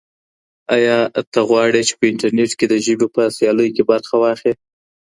ایا ته غواړې چي په انټرنیټ کي د ژبې په سیالیو کي برخه واخلې؟